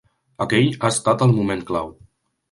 Aquell ha estat el moment clau.